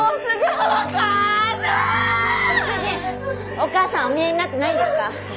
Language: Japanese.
お母さんお見えになってないんですか？